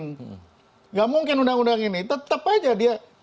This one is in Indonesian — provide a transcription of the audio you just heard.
tidak mungkin undang undang ini tetap aja dia